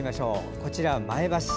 こちらは前橋市。